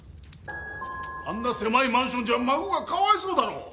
あんな狭いマンションじゃ孫がかわいそうだろう！